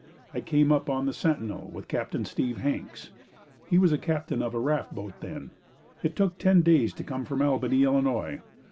I came up on the Sentinel with Captain Steve Hanks. He was captain of a raft boat then. It took ten days to come from Albany, Illinois.